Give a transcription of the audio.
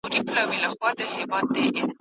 بس پکښی وینمه د سیوري توری